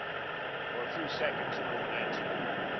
For a few seconds no one answered.